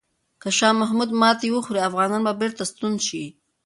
که شاه محمود ماتې وخوري، افغانان به بیرته ستون شي.